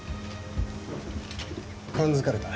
感づかれた。